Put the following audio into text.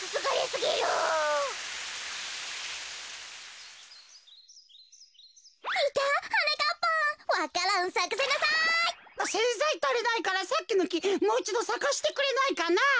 せんざいたりないからさっきのきもういちどさかせてくれないかな。